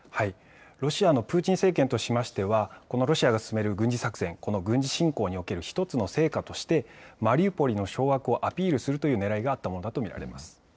ロシアのプーチン政権としてはロシアが進める軍事作戦、軍事侵攻における１つの成果としてマリウポリの掌握をアピールするというねらいがあったものと見られます。